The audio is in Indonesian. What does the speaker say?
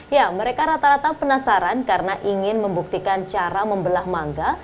ya mereka rata rata penasaran karena ingin membuktikan cara membelah mangga